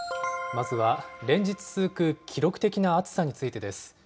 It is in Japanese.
まずは、連日続く記録的な暑さについてです。